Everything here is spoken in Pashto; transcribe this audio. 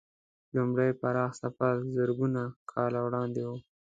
لومړی پراخ سفر زرګونه کاله وړاندې و.